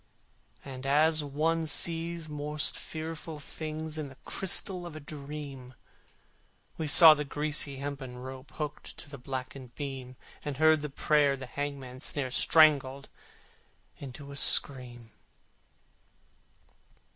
And as one sees most fearful things In the crystal of a dream, We saw the greasy hempen rope Hooked to the blackened beam, And heard the prayer the hangman's snare Strangled into a scream.